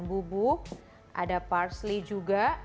bubuk ada parsley juga